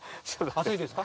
熱いです。